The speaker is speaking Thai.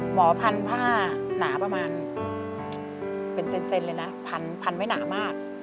หมอพันผ้าหนาประมาณเป็นเซนเลยนะพันไว้หนามาก